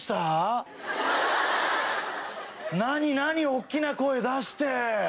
大っきな声を出して。